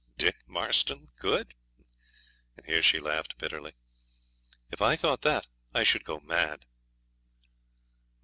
Dick Marston good!' and here she laughed bitterly. 'If I thought that I should go mad.'